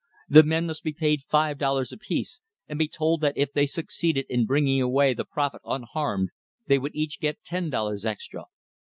The men must be paid five dollars apiece, and be told that if they succeeded in bringing away the prophet unharmed, they would each get ten dollars extra.